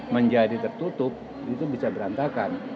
menjadi tertutup itu bisa berantakan